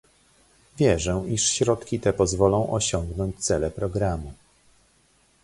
Wierzę, iż środki te pozwolą osiągnąć cele programu